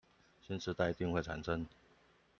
新時代一定會誕生